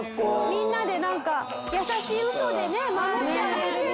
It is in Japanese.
みんなでなんか優しいウソでね守ってあげてるみたい。